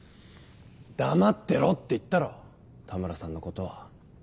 「黙ってろ」って言ったろ田村さんのことは。